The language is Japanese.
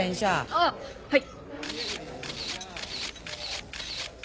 あっはい。